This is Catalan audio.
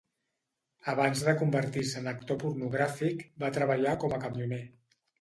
Abans de convertir-se en actor pornogràfic, va treballar com a camioner.